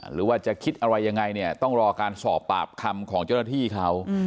หรือว่าจะคิดอะไรยังไงเนี่ยต้องรอการสอบปากคำของเจ้าหน้าที่เขา